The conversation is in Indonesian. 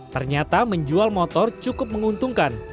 ternyata menjual motor cukup menguntungkan